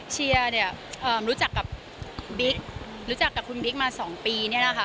เชียร์เนี่ยรู้จักกับบิ๊กรู้จักกับคุณบิ๊กมา๒ปีเนี่ยนะคะ